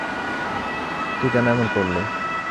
তুই কেন এমন করলি?